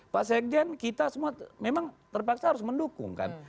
pak sekjen kita semua memang terpaksa harus mendukung kan